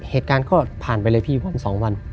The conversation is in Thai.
เหตุการณ์ก็ผ่านไปเลยพี่วัน๒วัน